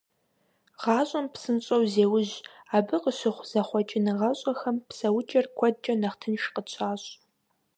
ГъащӀэм псынщӀэу зеужь, абы къыщыхъу зэхъуэкӀыныгъэщӀэхэм псэукӀэр куэдкӀэ нэхъ тынш къытщащӀ.